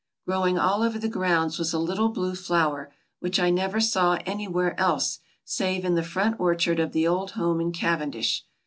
Growing all over the grounds was a litde blue flower which I never saw anywhere else save in the front orchard of the old home in Cavendish.